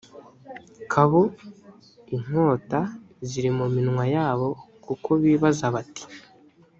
kabo inkota ziri mu minwa yabo kuko bibaza bati